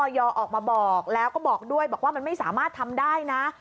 ออกมาบอกแล้วก็บอกด้วยบอกว่ามันไม่สามารถทำได้นะ